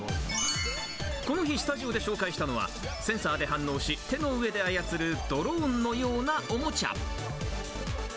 この日、スタジオで紹介したのは、センサーで反応し、手の上で操るドローンのようなオモチャ。